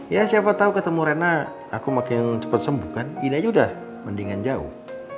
ya siapa tahu ketemu rena aku makin cepat sembuh kan ini aja udah mendingan jauh